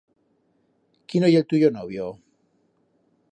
Quíno ye el tuyo novio?